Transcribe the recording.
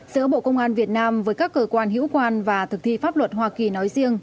giữa bộ công an việt nam với các cơ quan hữu quan và thực thi pháp luật hoa kỳ nói riêng